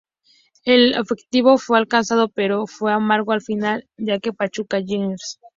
El objetivo fue alcanzado pero fue amargo al final ya que Pachuca Jrs.